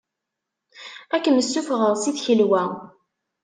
Ad kem-ssufɣeɣ si tkelwa.